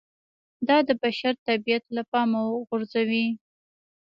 دا د بشر طبیعت له پامه غورځوي